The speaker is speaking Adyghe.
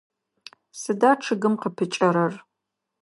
Сыда чъыгым къыпыкӏэрэр?